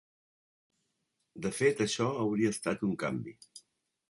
De fet, això hauria estat un canvi.